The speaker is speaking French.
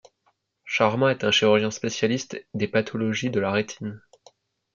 Sharma est un chirurgien spécialiste des pathologies de la rétine.